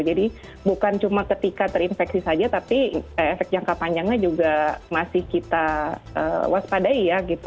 jadi bukan cuma ketika terinfeksi saja tapi efek jangka panjangnya juga masih kita waspadai ya gitu